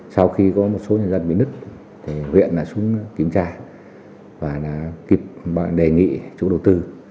sau khi có một số nhà dân bị nứt huyện đã xuống kiểm tra và kịp đề nghị chủ đầu tư